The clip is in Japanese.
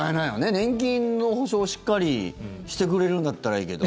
年金の保障をしっかりしてくれるんだったらいいけど。